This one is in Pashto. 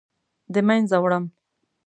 د مینځه وړم